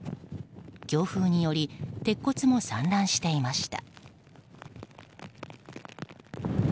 強風により鉄骨も散乱していました。